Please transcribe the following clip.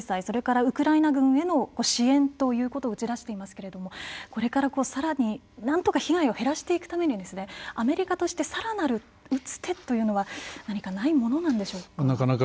それからウクライナ軍への支援ということを打ち出していますけれどもこれからさらになんとか被害を減らしていくためにはアメリカとしてさらなる打つ手というのは何かないものなんでしょうか。